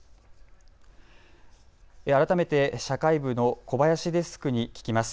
改めて社会部の小林デスクに聞きます。